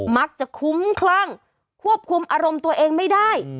มักจะคุ้มคลั่งควบคุมอารมณ์ตัวเองไม่ได้